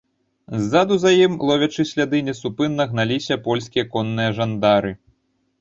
Ззаду за ім, ловячы сляды, несупынна гналіся польскія конныя жандары.